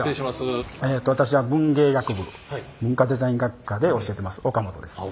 私は文芸学部文化デザイン学科で教えてます岡本です。